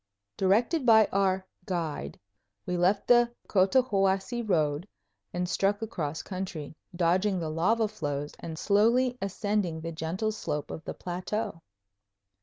Directed by our "guide," we left the Cotahuasi road and struck across country, dodging the lava flows and slowly ascending the gentle slope of the plateau.